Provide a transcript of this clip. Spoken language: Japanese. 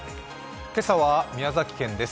今朝は宮崎県です。